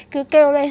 cứ kêu lên